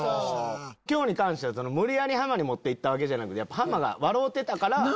今日に関しては無理やりハマに持って行ったわけじゃなくハマが笑うてたから。